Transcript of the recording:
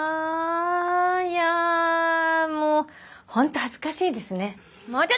いやもうホント恥ずかしいですね。